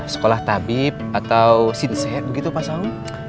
sekolah tabib atau sinset begitu pak saung